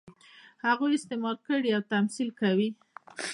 هغوی استثمار کړي او تمثیل کوي.